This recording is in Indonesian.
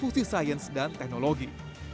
sains dan teknologi